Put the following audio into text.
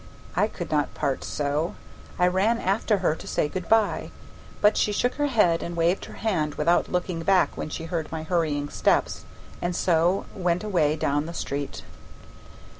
I could not part so; I ran after her to say good by, but she shook her head and waved her hand without looking back when she heard my hurrying steps, and so went away down the street.